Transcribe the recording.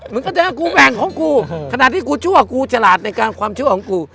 มันก็เจอกูแบ่งของกูขนาดที่กูชั่วกูฉลาดในการความชั่วของกู